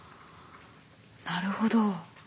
なるほど。